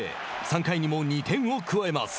３回にも２点を加えます。